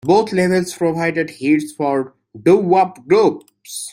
Both labels provided hits for doo-wop groups.